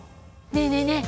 ねえねえねえ